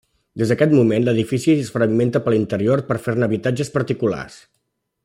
Des d’aquest moment l’edifici es fragmenta per l'interior per fer-ne habitatges particulars.